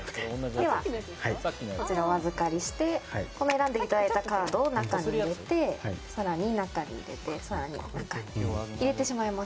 ではこちらをお預かりして、選んでいただいたカードを中に入れて、さらに中に入れて、さらに中に入れてしまいます。